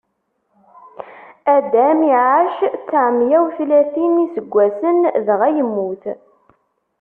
Adam iɛac tteɛmeyya u tlatin n iseggasen, dɣa yemmut.